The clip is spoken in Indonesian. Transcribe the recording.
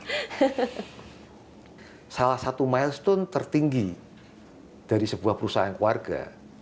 jadi kalau kita lihat ini adalah perusahaan yang terbaik dari sebuah perusahaan keluarga